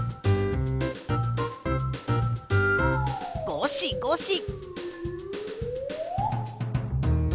ごしごし。